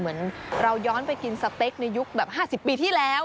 เหมือนเราย้อนไปกินสเต็กในยุคแบบ๕๐ปีที่แล้ว